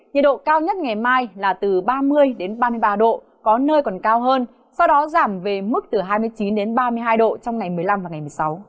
nhiệt độ cao nhất ngày mai là từ ba mươi ba mươi ba độ có nơi còn cao hơn sau đó giảm về mức từ hai mươi chín đến ba mươi hai độ trong ngày một mươi năm và ngày một mươi sáu